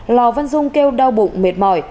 lò văn dung kêu đau bụng mệt mỏi